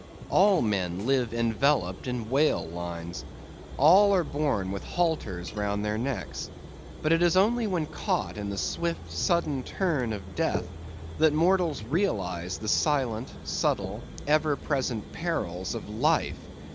All men live enveloped in whale lines. All are born with halters round their necks; but it is only when caught in the swift, sudden turn of death, that mortals realize the silent, subtle, ever present perils of life.